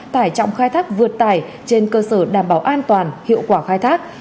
tải trọng khai thác vượt tải trên cơ sở đảm bảo an toàn hiệu quả khai thác